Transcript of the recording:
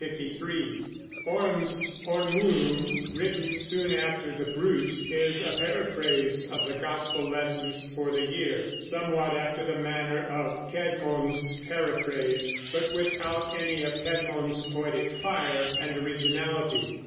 Orm's Ormulum, written soon after the Brut, is a paraphrase of the gospel lessons for the year, somewhat after the manner of Cædmon's Paraphrase, but without any of Cædmon's poetic fire and originality.